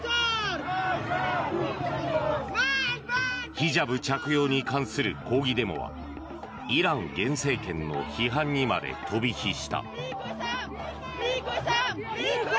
ヒジャブ着用に関する抗議デモはイラン現政権の批判にまで飛び火した。